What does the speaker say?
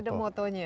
jadi ada motonya